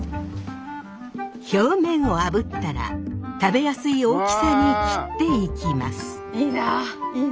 表面をあぶったら食べやすい大きさに切っていきます。